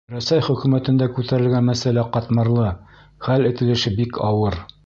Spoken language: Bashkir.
Рәсәй Хөкүмәтендә күтәрелгән мәсьәлә ҡатмарлы, хәл ителеше бик ауыр.